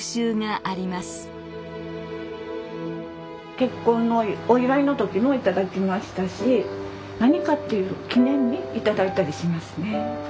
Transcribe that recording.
結婚のお祝いの時も頂きましたし何かっていう記念に頂いたりしますね。